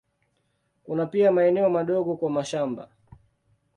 Kuna pia maeneo madogo kwa mashamba.